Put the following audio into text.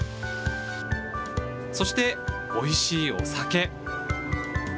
そしておいしいお酒。